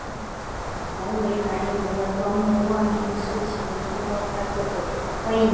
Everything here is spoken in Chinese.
同为男演员的高木万平是其双胞胎哥哥。